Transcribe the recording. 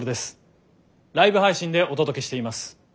ライブ配信でお届けしています。